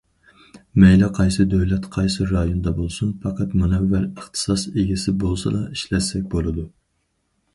مەيلى قايسى دۆلەت، قايسى رايوندا بولسۇن، پەقەت مۇنەۋۋەر ئىختىساس ئىگىسى بولسىلا ئىشلەتسەك بولىدۇ.